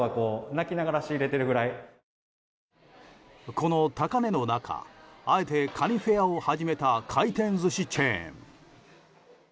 この高値の中あえてカニフェアを始めた回転寿司チェーン。